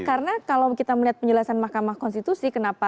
karena kalau kita melihat penjelasan mahkamah konstitusi